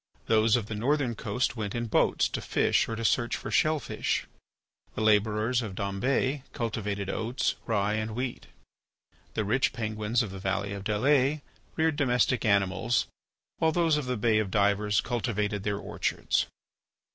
Those of the northern coast went in boats to fish or to search for shell fish. The labourers of Dombes cultivated oats, rye, and wheat. The rich Penguins of the valley of Dalles reared domestic animals, while those of the Bay of Divers cultivated their orchards.